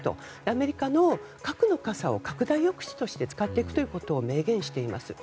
アメリカの核の傘を拡大抑止として使っていくことを明言しています。